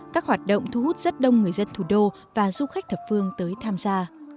các hoạt động thu hút rất đông người dân thủ đô và du khách thập phương tới tham gia